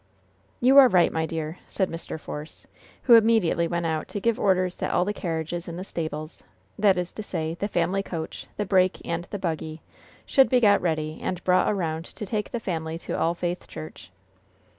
"You are right, my dear," said Mr. Force, who immediately went out to give orders that all the carriages in the stables that is to say, the family coach, the break and the buggy should be got ready and brought around to take the family to All Faith Church.